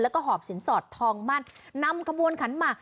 แล้วก็หอบสินสอดทองมั่นนำขบวนขันหมาก